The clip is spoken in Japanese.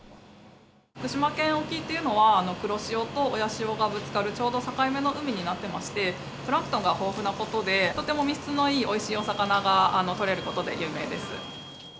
福島県沖というのは、黒潮と親潮がぶつかるちょうど境目の海になってまして、プランクトンが豊富なことで、とても質のいいおいしいお魚が取れることで有名です。